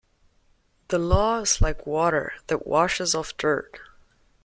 The Law is like water that washes off dirt.